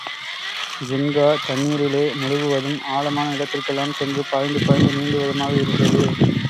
ஜின்கா தண்ணீரிலே முழுகுவதும், ஆழமான இடத்திற்கெல்லாம் சென்று பாய்ந்து பாய்ந்து நீந்துவதுமாக இருந்தது.